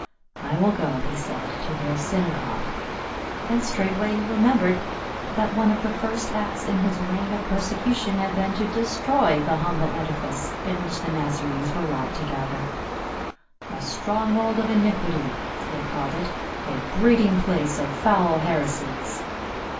" I will go," he said, "to their synagogue." Then straightway he remem bered that one of the first acts in his reign of perse cution had been to destroy the humble edifice in which the Nazarenes were wont to gather. " A stronghold of iniquity," he had called it, "a breeding place of foul heresies."